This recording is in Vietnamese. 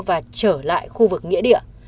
và trở lại khu vực nghĩa địa